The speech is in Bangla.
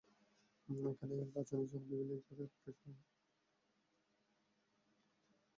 এখান থেকে রাজধানীসহ বিভিন্ন জেলার ব্যবসায়ীরা পাইকারি দরে শাড়ি কিনে থাকেন।